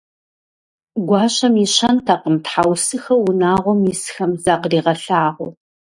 Гуащэм и щэнтэкъым тхьэусыхэу унагъуэм исхэм закъригъэлъагъуу.